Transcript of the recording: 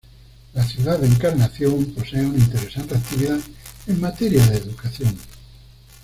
La ciudad de Encarnación posee una interesante actividad en materia de educación.